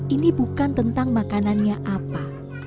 ini bukan tentang makanannya apa